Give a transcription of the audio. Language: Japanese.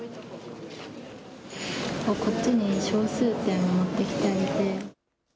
こっちに小数点を持ってきてあげて。